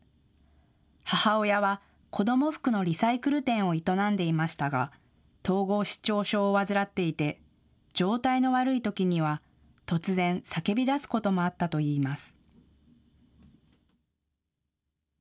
母親は子ども服のリサイクル店を営んでいましたが統合失調症を患っていて状態の悪いときには突然、叫び出すこともあったといいます。